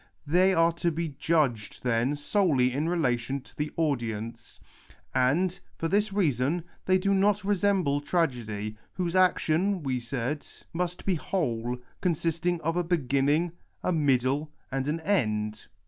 They are to be judged, then, solely in relation to the audience. And, for this reason, they do not resemble tragedy, whose action, we said, must be whole, consisting of a beginning, a middle, and an end.